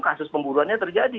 kasus pemburuannya terjadi